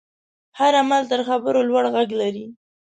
هر عمل تر خبرو لوړ غږ لري.